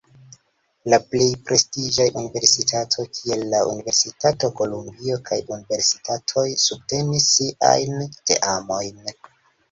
La plej prestiĝaj universitato, kiel la Universitato Kolumbio, kaj universitatoj subtenis siajn teamojn.